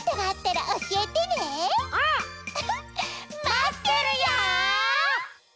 まってるよ！